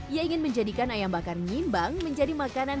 ia ingin menjadikan ayam bakar mimbang menjadi makanan